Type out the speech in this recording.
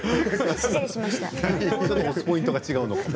押すポイントが違うのかも。